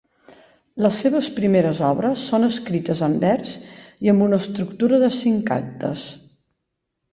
Les seves primeres obres són escrites en vers i amb una estructura de cinc actes.